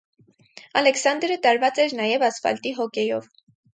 Ալեքսանդրը տարված էր նաև ասֆալտի հոկեյով։